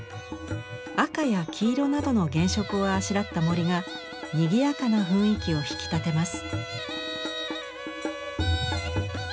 赤や黄色などの原色をあしらった森がにぎやかな雰囲気を引き立てます。